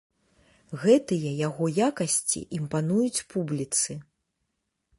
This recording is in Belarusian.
Гэтыя яго якасці імпануюць публіцы.